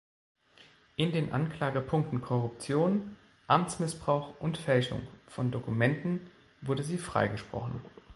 In den Anklagepunkten Korruption, Amtsmissbrauch und Fälschung von Dokumenten wurde sie freigesprochen.